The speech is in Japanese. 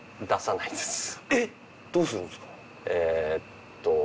えっどうするんですか？